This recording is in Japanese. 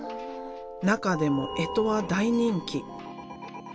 中でも干支は大人気。